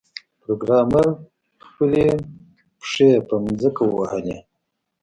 پروګرامر خپلې پښې په ځمکه ووهلې